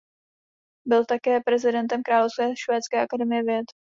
Byl také prezidentem Královské švédské akademie věd.